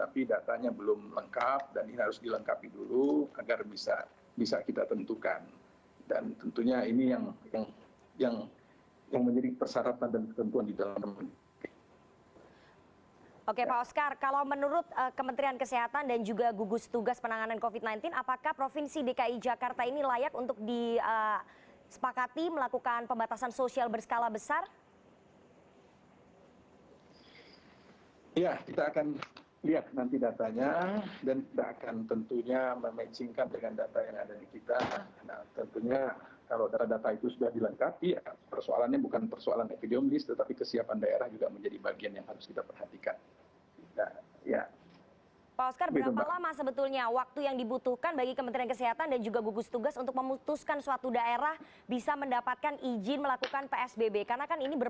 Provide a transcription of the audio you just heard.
pembatasan sosial berskala besar